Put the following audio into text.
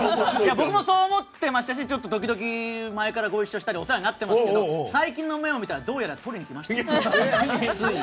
僕もそう思ってましたし時々、前からご一緒してお世話になってましたけど最近の目を見たらどうやら、とりにきてます。